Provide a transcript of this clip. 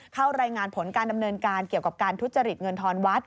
เข้ารายงานผลการดำเนินการเกี่ยวกับการทุจริตเงินทอนวัด